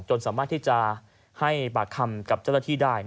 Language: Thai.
สามารถที่จะให้ปากคำกับเจ้าหน้าที่ได้